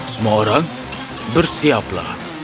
semua orang bersiaplah